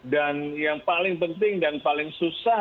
dan yang paling penting dan paling susah